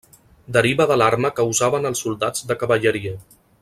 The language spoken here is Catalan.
Deriva de l'arma que usaven els soldats de cavalleria.